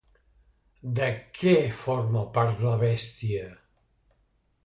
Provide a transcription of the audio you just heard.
De què forma part la bèstia?